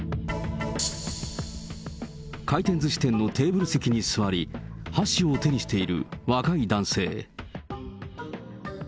回転ずし店のテーブル席に座り、箸を手にしている若い男性。